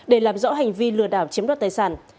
để làm rõ hành vi lừa đảo chiếm đoạt tài sản